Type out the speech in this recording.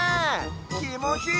きもちいい！